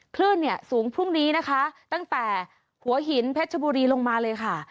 คลื่นเนี่ยสูงพรุ่งนี้นะคะตั้งแต่หัวหินเพชรบุรีลงมาเลยค่ะ